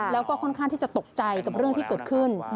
แล้วก็ค่อนข้างที่จะตกใจกับเรื่องที่เกิดขึ้น